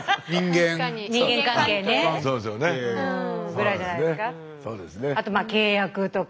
ぐらいじゃないですか。